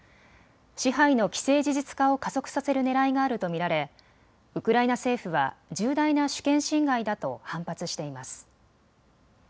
支配の既成事実化を加速させるねらいがあると見られ、ウクライナ政府は重大な主権侵害だと反発しています。